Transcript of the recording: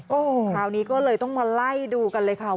โอ้โหคราวนี้ก็เลยต้องมาไล่ดูกันเลยค่ะ